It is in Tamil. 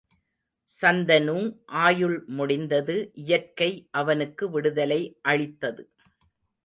சந்தனு ஆயுள் முடிந்தது இயற்கை அவனுக்கு விடுதலை அளித்தது.